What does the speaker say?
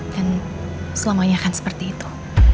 dan selamanya akan seperti itu